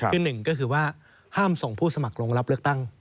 คือหนึ่งก็คือว่าห้ามส่งผู้สมัครลงรับเลือกตั้ง